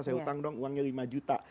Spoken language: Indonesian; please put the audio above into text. saya utang dong uangnya lima juta